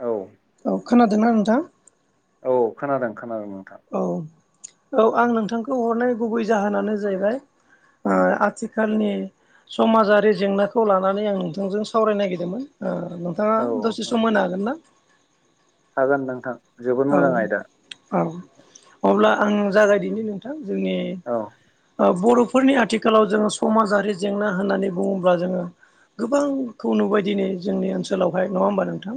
औ औ खोनादों ना नोंथां। औ खोनादों खोनादों नोंथां। औ औ आं नोंथांखौ हरनाय गुबै जाहोनानो जाहैबाय उम आथिखाल आथिखालनि समाजारि जेंनाखौ लानानै आं नोंथांजों सावरायनो नागिरदोंमोन। नोंथाङा औ दसे सम होनो हागोन ना? हागोन नोंथां। जोबोद औ मोजां आयदा औ अब्ला आं जागायदिनि नोंथां जोंनि औ। बर'फोरनि आथिखालाव जोङो समाजारि जेंना होननानै बुङोब्ला जोङो। गोबांखौ नुबायदि नै जोंनि ओनसोलावहाय नङा होमबा नोंथां।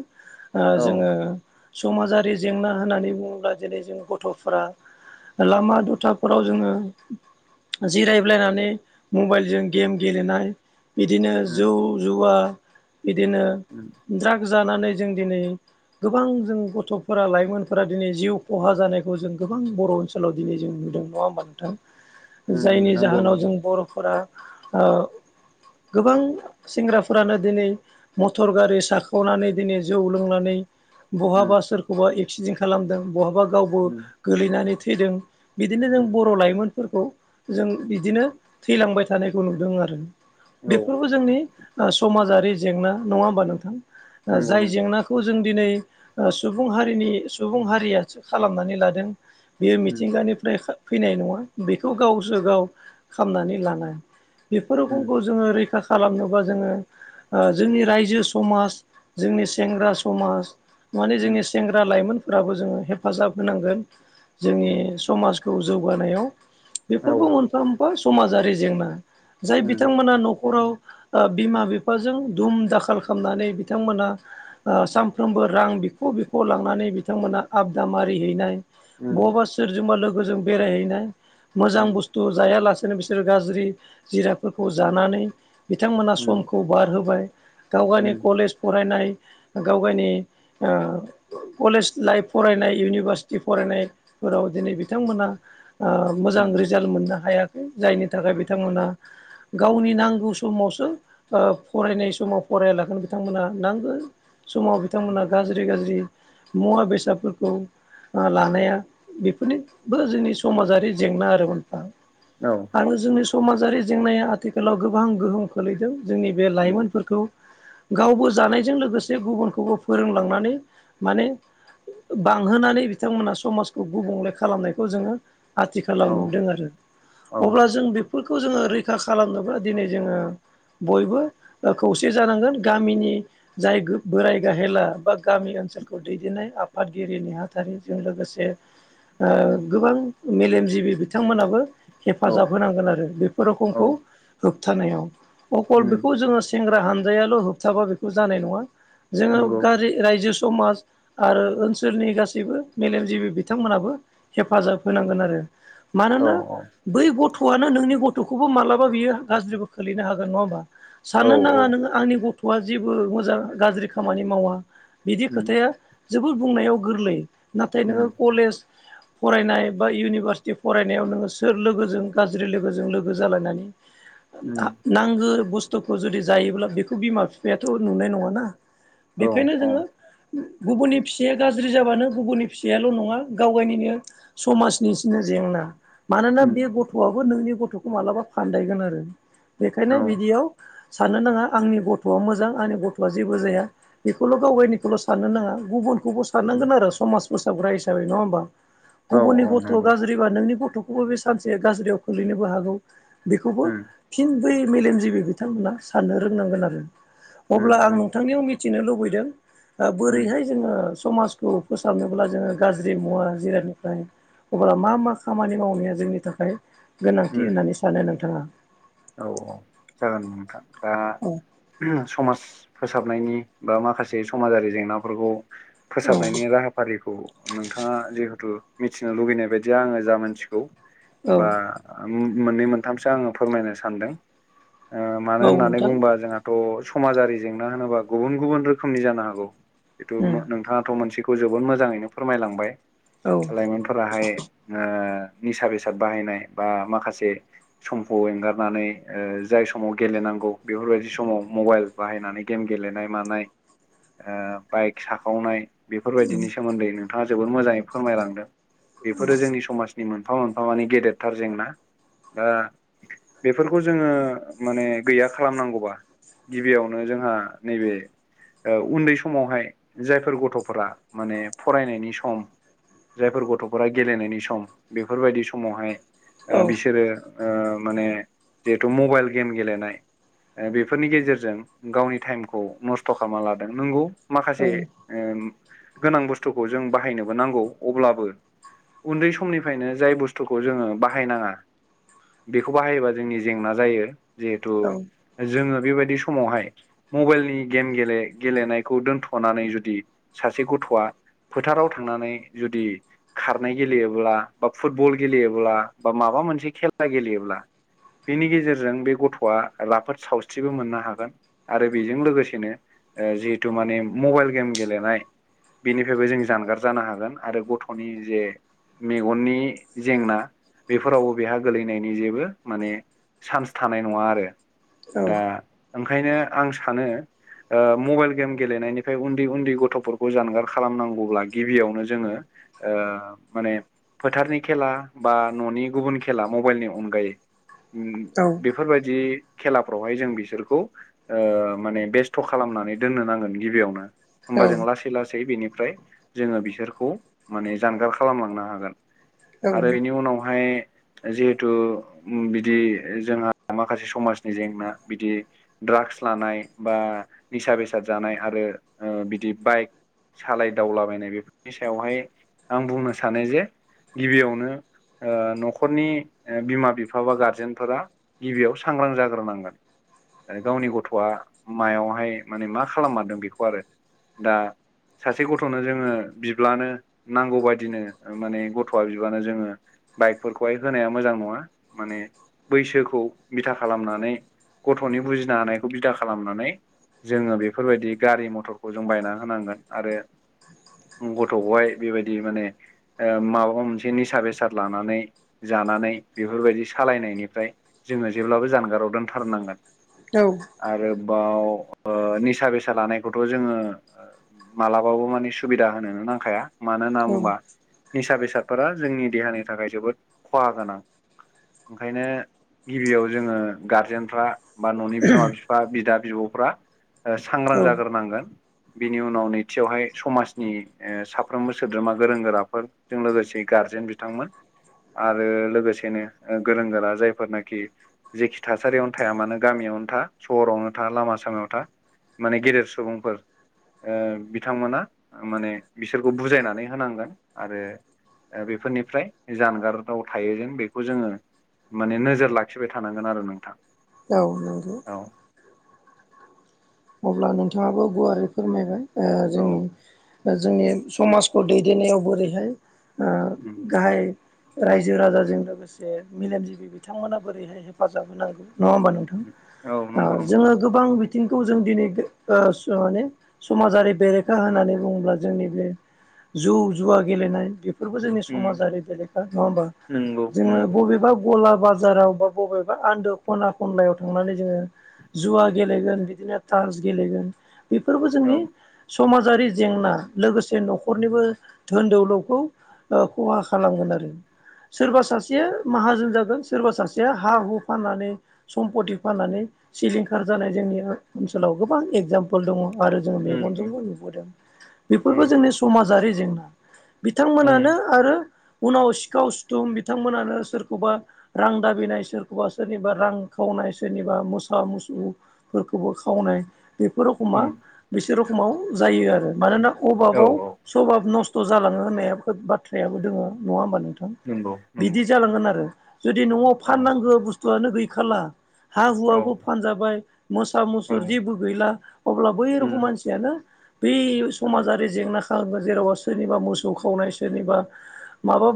औ जोङो समाजारि जेंना होननानै बुङोब्ला दिरै जों गथ'फ्रा लामा दथाफोराव जोङो जिरायब्लायनानै मबाइलजों गेम गेलेनाय बिदिनो जौ उम जुवा बिदिनो उम द्राग्स जानानै जों दिनै गोबां जों गथ' फोर लाइमोनफोरा दिनै जिउ खहा जानायखौ जों गोबां बर' ओनसोलाव दिनै जों नुदों नङा होमबा नोंथां। उम उम जायनि नंगौ जाहोनाव नंगौ जों बर'फोरा ओ गोबां सेंग्राफोरानो दिनै मटर गारि साख'नानै दिनै जौ लोंनानै उम बहाबा सोरखौबा एक्सिडेन्ट खालामदों बहाबा गावबो उम गोलैनानै थैदों। बिदिनो जों उम बर' लाइमोनफोरखौ जों बिदिनो थैलांबाय थानायखौ नुदों आरो। औ बेफोरबो जोंनि समाजारि जेंना नङा होमबा नोंथां नंगौ जाय नंगौ जेंनाखौ खौ जों दिनै सुबुं हारिनि सुबुं हारियासो खालामनानै लादों। बेयो उम मिथिंगानिफ्राय फैनाय नङा बेखौ गावसो गाव खालामामनानै लानाय। बेफोर उम रोखोमखौ जोङो रैखा खालामनोबा जोङो जोंनि रायजो समाज जोंनि सेंग्रा समाज माने उम जोंनि सेंग्रा लाइमोनफोराबो जोङो हेफाजाब होनांगोन जोंनि औ समाज खौ जौगानायाव औ बेफोरबो मोनफा मोनफा समाजारि जेंना जाय उम बिथांमोना न'खराव बिमा बिफाजों दुम दाखाल खालामनानै बिथांमोनहा सानफ्रोमबो रां बिख' बिख' लांनानै बिथांमोना आबदा मारिहैनाय उम बबा सोरजोंबा लोगोजों बेरायहैनाय मोजां उम बुस्थु जायालासेनो बिसोरो गाज्रि जिराफोरखौ जानानै बिथांमोना उम समखौ बारहोबाय गाव गावनि उम कलेज फरायनाय गाव गावनि ओ कलेज लाइफ फरायनाय इउनिभारसिटि फरायनायफोराव दिनै बिथांमोना मोजां उम रिजाल्ट मोननो हायाखै जायनि थाखाय बिथांमोना गावनि नांगौ समावसो फरायनाय समाव फरायलागोन बिथांमोनहा नांगौ समाव बिथांमोना गाज्रि गाज्रि मुवा बेसादफोरखौ लानाया बेफोरनिबो जोंनि समाजारि जेंना आरो मोनफा औ आरो जोंनि समाजारि जेंनाया आथिखालाव गोबां गोहोम खोलैदों जोंनि बे उम लाइमोनफोरखौ गावबो जानायजों लोगोसे गुबुनखौबो फोरोंलांनानै माने बांहोनानै बिथांमोना समाजखौ गुबुंले खालामनायखौ जोङो औ आथिखालाव नुदों आरो औ अब्ला जों बे बेफोरखौ जोङो रैखा खालामनोब्ला दिनै जोङो बयबो ओ खौसे जानांगोन गामिनि जाय बोराय गाहेला बा गामि ओनसोलाव खौ दैदेननाय आफादगिरि नेहाथारिजों लोगोसे ओ गोबां मेलेमजिबि बिथांमोनाबो औ हेफाजाब होनांगोन आरो बेफोर औ रखमखौ होबथानायाव अखल उम बेखौ जोङो सेंग्रा हानजायाल' होबथाबा बेखौ जानाय नङा जोङो नंगौ गारि रायजो समाज आरो ओनसोलनि गासैबो मेलेमजिबि बिथांमोनाबो हेफाजाब होनांगोन आरो औ मानोना बै गथ'आनो नोंनि गथ'खौबो मालाबा बियो गाज्रिबो खोलैनो हागोन नङा होमबा औ साननो औ नाङा नोङो आंनि गथ'आ जेबो मोजां गाज्रि खामानि मावा बिदि उम खोथाया जोबोर बुंनायाव गोरलै नाथाय नोङो उम कलेज फरायनाय बा इउनिभारसिटि फरायनायाव नोङो सोर लोगोजों गाज्रि लोगोजों लोगो जालायनानै उम [inaudible] नांगौ बुस्थुखौ जुदि जायोब्ला बेखौ बिमा बिफायाथ' नुनाय नङाना औ बेखायनो औ जोङो गुबुननि फिसाया गाज्रि जाबानो गुबुननि फिसायल' नङा गाव गायनिनो समाजनिसिनो जेंना मानोना उम बे गथ'आबो नोंनि गथ'खौ मालाबा फानदायगोन आरो बेखायनो औ बिदियाव साननो नाङा आंनि गथ'आ मोजां आंनि गथ'आ जेबो जाया बेखौल' गाव गायनिखौल' साननो नाङा गुबुनखौबो उम सारनांगोन आरो समाज फोसाबग्रा हिसाबै नङा होमबा औ गुबुननि औ गथ' नंगौ गाज्रिबा नोंनि गथ'खौबो बे सानसे गाज्रियाव खोलैनोबो हागौ बेखौबो उम फिन बै मेलेमजिबि बिथांमोना साननो रोंनांगोन आरो उम अब्ला आं उम नोंथांनियाव मिथिनो लुबैदों उम बोरैहाय जोङो समाजखौ फोसाबनोब्ला जोङो गाज्रि मुवा जिरायनिफ्राय अब्ला मा मा खामानि मावनाया जोंनि थाखाय गोनांथि उम होननानै सानो नोंथाङा औ औ जागोन नोंथांझ औ ओ समाज फोसाबनायनि बा माखासे समाजारि जेंनाफोरखौ औ फोसाबनायनि राहाफारिखौ नोंथाङा जिहेथु मिथिनो लुगैनाय बायदिया आङो जा मानसिखौ औ बा मोननै मोनथामसो आङो फोरमायनो सानदों ओ मानो औ होननानै नोंथां बुंबा जोंहा थ' समाजारि जेंना होनोबा गुबुन गुबुन रोखोमनि जानो हागौ बेथु नोंथाङाथ' मोनसे खौ जोबोद मोजाङैनो फोरमायलांबाय औ लाइ मोनफोराहाय ओ निसा बेसाद बाहायनाय बा माखासे सम एंगार नानै ओ जाय समाव गेलेनांगौ बेफोरबायदि समाव मबाइल बाहायनानै गेम गेलेनाय मानाय ओ बाइक साखावनाय बेफोरबायदिनि सोमोन्दै नोंथाङा जोबोर मोजाङै फोरमायलांदों बेफोरो जोंनि समाजनि मोन मोनफा मोनफा माने गेदेरथार जेंना ओ बेफोरखौ जोङो माने गैया खालामनांगौबा गिबियावनो जोंहा नैबे ओ उन्दै समावहाय जायफोर गथ'फोरा माने फरायनायनि सम जायफोर गथ'फोरा गेलेनायनि सम बेफोरबायदि समावहाय औ ओ बिसोरो ओ माने जिहेथु मबाइल गेम गेलेनाय बेफोरनि गेजेरजों गावनि टाइमखौ नस्थ' खालामना लादों नंगौ माखासे ओ गोनां बुस्थुखौ जों बाहायनोबो नांगौ अब्लाबो उन्दै समनिफ्रायनो जाय बुस्थुखौ जोङो बाहायनाङा बेखौ बाहायोबा जोंनि जेंना जायो जिहेथु जोङो बेबायदि समावहाय मबाइलनि गेम गेले-गेलेनायखौ दोनथ'नानै जुदि सासे गथ'आ फोथाराव थांनानै जुदि खारनाय गेलेयोब्ला बा फुटबल गेलेयोब्ला बा माबा मोनसे खेला गेलेयोब्ला बेनि गेजेरजों बे गथ'आ राफोद सावस्रिबो मोननो हागोन आरो बेजों लोगोसेनो ओ जिहेतु माने मबाइल गेम गेलेनाय बेनिफ्रायबो जों जानगार जानो हागोन आरो गथ'नि जे मेगननि जेंना बेफोरावबो बेहा गोलैनायनि जेबो माने सान्स थानाय नङा आरो औ दा ओंखायनो आं सानो ओ मबाइल गेम गेलेनायनिफ्राय उन्दै उन्दै गथ'फोरखौ जानगार खालामनांगौब्ला गिबियावनो जोङो ओ माने फोथारनि खेला बा न'नि गुबुन खेला मबाइलनि अनगायै उम औ बेफोरबायदि खेलाफ्रावहाय जों बिसोरखौ ओ माने बेस्थ' खालामनानै दोननो नांगोन गिबियावनो। औ होमबा जों औ लासै लासै बेनिफ्राय जोङो बिसोरखौ माने जानगार खालामलांनो हागोन आरो बेनि उनावहाय जिहेथु बिदि जोंहा माखासे समाजनि जेंना बिदि ड्राग्स लानाय बा निसा बेसाद जानाय आरो बिदि बाइक सालायदावलाबायनाय बेफोरनि सायावहाय आं बुंनो सानो जे गिबियावनो ओ न'खरनि ओ बिमा बि फा बा गारजेनफोरा गिबियाव सांग्रां जाग्रोनांगोन। गावनि गथ'आ मायावहाय माने मा खालामारदों बेखौ आरो दा सासे गथ'नो जोङो बिब्लानो नांगौ बादिनो माने गथ'आ बिबानो जोङो बाइकफोरखौहाय होनाया मोजां नङा माने बैसोखौ बिथा खालामनानै गथ'नि बुजिनो हानायखौ बिदा खालामनानै जोङो बेफोरबायदि गारि मथरखौ जों बायना होनांगोन आरो गथ'खौहाय बेबायदि माने ओ माबा मोनसे निसा बेसाद लानानै जानानै बेफोरबायदि सालायनायनिफ्राय जोङो जेब्लाबो जानगाराव दोनथारनांगोन। औ। आरोबाव ओ निसा बेसाद लानायखौथ' जोङो मालाबाबो मानि सुबिदा होनोनो नांखाया। मानो होनना बुंबा निसा बेसादफोरा जोंनि देहानि थाखाय जोबोद खहा गोनां। ओंखायनो गिबियाव जोङो गारजेनफ्रा बा न'नि बिमा बिफा बा बिदा बिब'फ्रा ओ सांग्रां जाग्रोनांगोन। बिनि उनाव नैथियावहाय समाजनि ओ साफ्रोमबो सोद्रोमा गोरों गोराफोर जों लोगोसे गारजेन बिथांमोन आरो लोगोसे सेनो गोरों गोरा जायफोरनाखि जेखि थासारियावनो थाया मानो गामियावनो था सहरावनो था लामा सामायाव था माने गेदेर सुबुंफोर ओ बिथांमोना माने बिसोरखौ बुजायनानै होनांगोन आरो ओ बेफोरनिफ्राय जानगाराव थायो जेन बे खौ जोङो माने नोजोर लाखिबाय थानांगोन आरो नोंथां। औ नंगौ। औ अब्ला नोंथाङाबो गुवारै फोरमायबाय ओ औ जोंनि ओ जोंनि समाजखौ दैदेननायाव बोरैहाय ओ उम। गाहाय रायजो राजाजों लोगोसे मेलेमजिबि बिथांमोना बोरैहाय हेफाजाब होनांगौ नङा होनबा नोंथां उम औ ओ नंगौ नंगौ जोङो गोबां बिथिं खौ जों दिनै ओ सो माने समाजारि बेरेखा होननानै बुङोब्ला जोंनि बे जौ जुवा गेलेनाय बेफोरबो जोंनि उम समाजारि बेरेखा नङा होमबा नंगौ जोङो नंगौ बबेबा गला बाजाराव बा बबेबा आन्दो खना खनलायाव थांनानै जोङो जुवा गेलेगोन बिदिनो टार्च गेलेगोन बेफोरबो जोंनि औ समाजारि जेंना लोगोसे न'खरनिबो धोन दौलौखौ ओ खहा खालामगोन आरो। सोरबा सासेया माहाजोन जागोन सोरबा सासेया हा हु फाननानै सम्पति फाननानै सिलिंखार जानाय जोंनि ओनसोलाव गोबां एगजामपोल दङ आरो जोङो उम मेगनजोंबो नुबोदों बेफोरबो उम जोंनि समाजारि जेंना बिथांमोनानो उम आरो उनाव सिखाव सिुथुम बिथांमोनानो सोरखौबा रां दाबिनाय सोरखौबा सोरनिबा रां खावनाय सोरनिबा मोसा मुसु खौबो खावनाय बेफोर रखमा उम बिसोर रखमाव जायो आरो मानोना औ अभाबाव औ सभाब नस्थ' जालाङो होननाय बाथ्रायाबो दङ नङा होमबा नोंथां। नंगौ बिदि नंगौ जालांगोन आरो जुदि न'आव औ फाननांगौ बुस्थुआनो गैखाला हा औ हुवाबो फानजाबाय। मोसा औ मुसुर जेबो गैला अब्ला बै रखम उम मानसियानो बै उम समाजारि जेंना खालामो जेरावबा सोरनिबा मोसौ खावनाय सोरनिबा माबा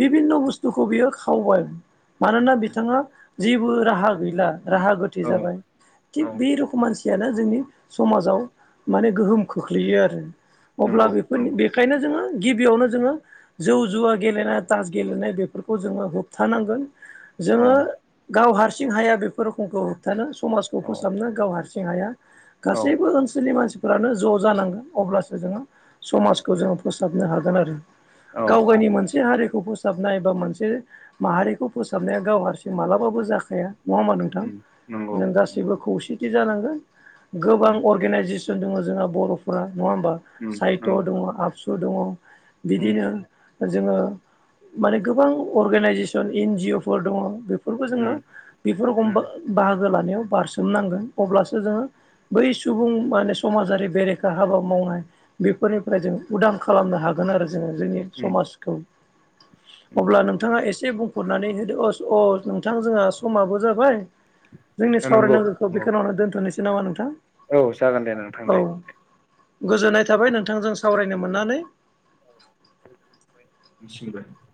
बिभिन्न' बुस्थुखौ बियो खावबाय मानोना औ बिथाङा जेबो राहा गैला राहा गोथे जाबाय। औ थिग बे रोखम मानसियानो जोंनि समाजाव माने गोहोम खोख्लैयो आरो। अब्ला नंगौ बेफोरनि नंगौ बेखायनो जोङो गिबियावनो जोङो जौ जुवा गेलेनाय तास गेलेनाय बेफोरखौ जोङो होबथानांगोन। औ जोङो गाव हारसिं हाया बेफोर रोखोमखौ होबथानो समाजखौ औ फोसाबनो गाव हारसिं हाया औ गासैबो ओनसोलनि मानसि फोरानो ज' जानांगोन अब्लासो जोङो समाजखौ जोङो फोसाबनो हागोन आरो। औ औ गावगायनि मोनसे हारिखौ बोस फोसाबनाय एबा मोनसे माहारिखौ फोसाबनाया गाव हारसिं मालाबाबो जाखाया नङा होमा नोंथां। उम नंगौ जों नंगौ गासैबो खौसेथि जानांगोन गोबां उम अर्गेनाइजेसन दङ जोंहा बर'फोरा नङा होमबा उम साहित' नंगौ दङ आबसु दङ उम बिदिनो जोङो माने गोबां अर्गेनाइजेसन एनजिअ फोर दङ बे फोरबो जोङो उम बेफोर उम एखमबा बाहागो लानायाव बारसोमनांगोन अब्लासो जोङो बै सुबुं माने समाजारि बेरेखा हाबा मावनाय बेफोरनिफ्राय जों उदां खालामनो हागोन आरो जोङो जोंनि उम समाजखौ उम अब्ला नोंथाङा एसे बुं हरनानै होदो अस अ नोंथां जोंहा समाबो जाबाय जोंनि नंगौ सावरायनांगौखौ नंगौ बेखौनो दोनथ'नोसै नामा नोंथां औ जागोन दे नोंथां औ दे। गोजोननाय थाबाय नोंथांजों सावरायनो मोननानै [unintelligible]